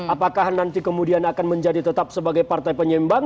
apakah nanti kemudian akan menjadi tetap sebagai partai penyeimbang